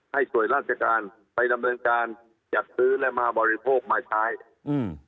ให้ส่วนราชการไปดำเนินการจัดซื้อและมาบริโภคมาใช้อืม